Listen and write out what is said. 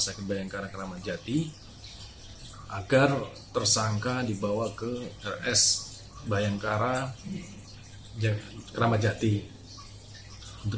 sakit bayangkara keramat jati agar tersangka dibawa ke rs bayangkara keramat jati untuk